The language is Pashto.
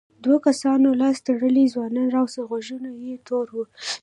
دوو کسانو لاس تړلی ځوان راووست غوږونه یې تور وو.